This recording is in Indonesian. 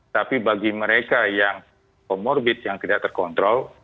tapi bagi mereka yang comorbid yang tidak terkontrol